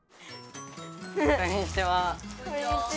こんにちは。